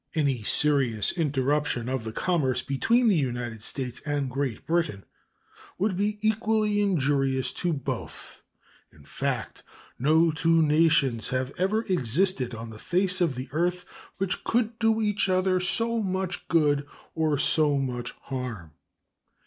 Any serious interruption of the commerce between the United States and Great Britain would be equally injurious to both. In fact, no two nations have ever existed on the face of the earth which could do each other so much good or so much harm.